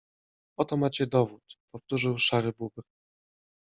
Oto macie dowód - powtórzył Szary Bóbr.